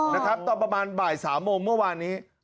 นะครับตอนประมาณบ่าย๓โมงเมื่อวานนี้